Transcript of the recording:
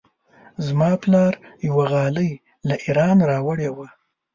زما پلار یوه غالۍ له ایران راوړې وه.